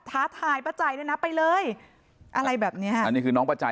แต่จังหวะที่ผ่านหน้าบ้านของผู้หญิงคู่กรณีเห็นว่ามีรถจอดขวางทางจนรถผ่านเข้าออกลำบาก